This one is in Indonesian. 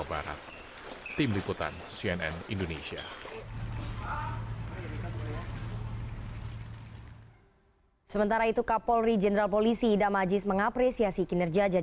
hari ini setelah penyidaman perpaksaan